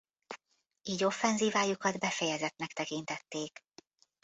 Így offenzívájukat befejezettnek tekintették.